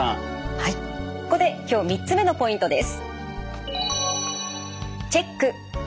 はいここで今日３つ目のポイントです。